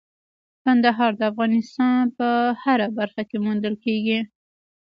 کندهار د افغانستان په هره برخه کې موندل کېږي.